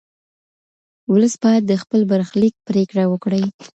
ولس باید د خپل برخلیک پرېکړه وکړي.